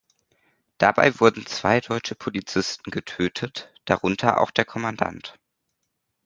Dabei wurden zwei deutsche Polizisten getötet, darunter auch der Kommandant.